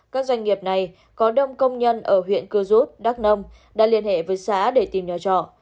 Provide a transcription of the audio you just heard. các doanh nghiệp này có đông công nhân ở huyện cư rút đắk nông đã liên hệ với xã để tìm nhà trọ